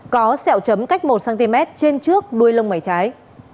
có xẹo chấm cách một cm trên trước đuôi lông mái trái